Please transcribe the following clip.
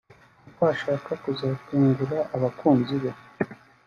kuko ashaka kuzatungura abakunzi be